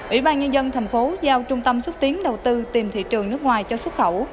ủy ban nhân dân thành phố giao trung tâm xúc tiến đầu tư tìm thị trường nước ngoài cho xuất khẩu